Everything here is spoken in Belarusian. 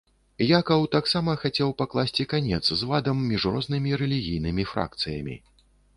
Якаў таксама хацеў пакласці канец звадам між рознымі рэлігійнымі фракцыямі.